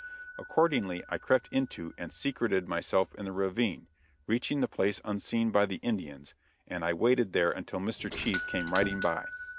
Accordingly I crept into and secreted myself in the ravine, reaching the place unseen by the Indians, and I waited there until Mr. Chief came riding by.